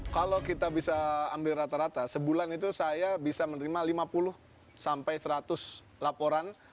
kalau kita bisa ambil rata rata sebulan itu saya bisa menerima lima puluh sampai seratus laporan